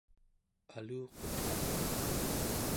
aluqutkaq